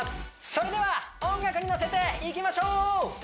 それでは音楽に乗せていきましょう！